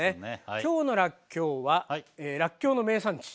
きょうのらっきょうはらっきょうの名産地